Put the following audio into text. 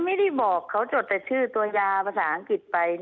ไม่ได้บอกเขาจดแต่ชื่อตัวยาภาษาอังกฤษไป